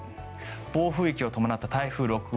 暴風域を伴った台風６号